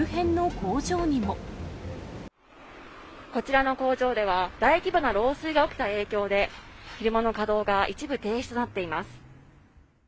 こちらの工場では、大規模な漏水が起きた影響で、昼間の稼働が一部停止となっています。